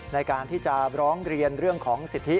ในการที่จะร้องเรียนเรื่องของสิทธิ